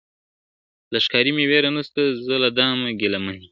له ښکاري مي وېره نسته زه له دامه ګیله من یم `